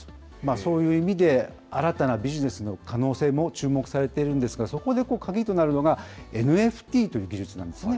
そういう意味で新たなビジネスの可能性も注目されているんですが、そこで鍵となるのが、ＮＦＴという技術なんですね。